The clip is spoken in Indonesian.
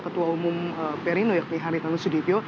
ketua umum perindolp haritha nusyidibio